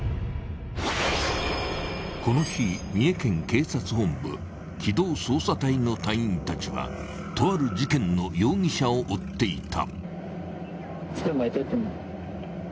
［この日三重県警察本部機動捜査隊の隊員たちはとある事件の容疑者を追っていた］